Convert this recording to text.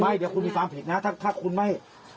ไม่เดี๋ยวคุณมีความผิดนะถ้าคุณไม่